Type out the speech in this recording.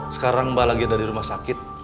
sekarang mbak lagi ada di rumah sakit